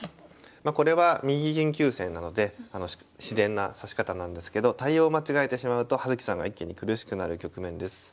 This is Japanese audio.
これは右銀急戦なので自然な指し方なんですけど対応間違えてしまうと葉月さんが一気に苦しくなる局面です。